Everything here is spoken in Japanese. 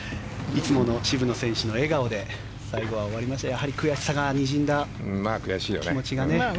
いつもの渋野選手の笑顔で最後は終わりましたがやはり悔しさがにじんだ気持ちが伝わってきました。